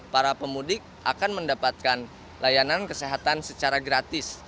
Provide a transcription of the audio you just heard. para pemudik akan mendapatkan layanan kesehatan secara gratis